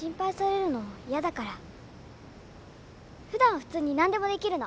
ふだんは普通に何でもできるの。